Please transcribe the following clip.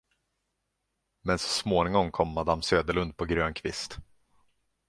Men så småningom kom madam Söderlund på grön kvist.